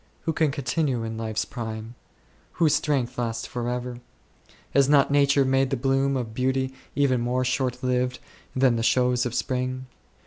Who can continue in life's prime? Whose strength lasts for ever? Has not Nature made the bloom of beauty even more shortlived than the shows of spring